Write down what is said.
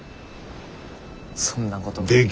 そんなことが。